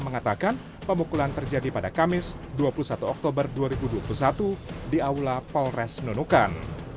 mengatakan pemukulan terjadi pada kamis dua puluh satu oktober dua ribu dua puluh satu di aula polres nunukan